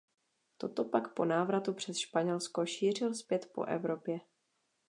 Toto pak po návratu přes Španělsko šířil zpět po Evropě.